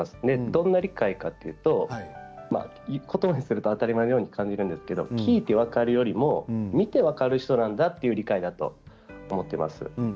どんな理解かというとことばにすると当たり前のように感じるんですけど聞いて分かるよりも見て分かる人なんだという理解だと思っています。